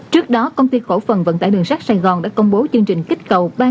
trước đó công ty cổ phần vận tải đường sắt sài gòn đã công bố chương trình kích cầu